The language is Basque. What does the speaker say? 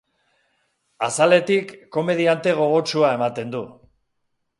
Azaletik, komediante gogotsua ematen du.